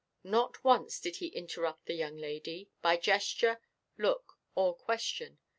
Not once did he interrupt the young lady, by gesture, look, or question.